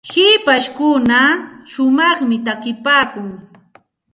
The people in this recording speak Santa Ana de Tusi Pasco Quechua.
hipashkuna shumaqta takipaakun.